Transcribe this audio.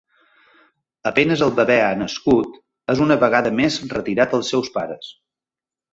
A penes el bebè ha nascut, és una vegada més retirat als seus pares.